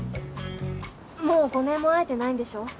もう５年も会えてないんでしょ？